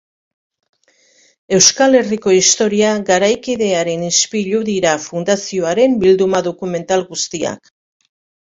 Euskal Herriko historia garaikidearen ispilu dira fundazioaren bilduma dokumental guztiak.